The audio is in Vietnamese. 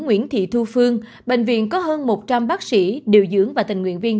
nguyễn thị thu phương bệnh viện có hơn một trăm linh bác sĩ điều dưỡng và tình nguyện viên